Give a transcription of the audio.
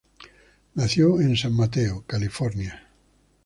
Nació en San Mateo, California.